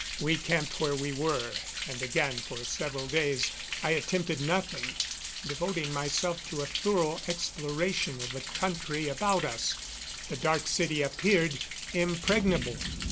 We camped where we were, and again for several days I attempted nothing, devoting myself to a thorough exploration of the country about us. The Dark City appeared impregnable.